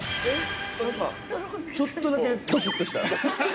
◆ちょっとだけドキッとした。